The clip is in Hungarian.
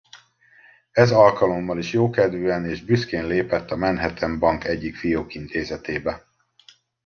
Ez alkalommal is jókedvűen és büszkén lépett a Manhattan Bank egyik fiókintézetébe.